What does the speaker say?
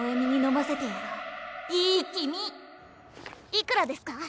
いくらですか？